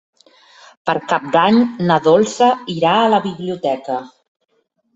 Per Cap d'Any na Dolça irà a la biblioteca.